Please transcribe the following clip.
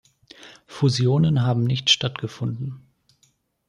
Fusionen haben nicht stattgefunden.